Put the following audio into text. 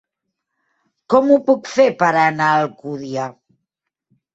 Com ho puc fer per anar a Alcúdia?